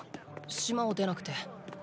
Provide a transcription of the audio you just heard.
島を出なくて。